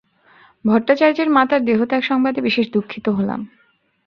ভট্টাচার্যের মাতার দেহত্যাগ-সংবাদে বিশেষ দুঃখিত হলাম।